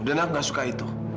dan aku tidak suka itu